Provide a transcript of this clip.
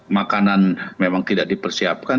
makanan memang tidak dipersiapkan